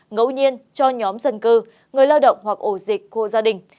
ngẫu nhiên cho nhóm dân cư người lao động hoặc ổ dịch khu gia đình